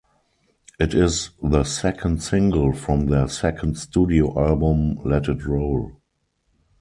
It is the second single from their second studio album "Let It Roll".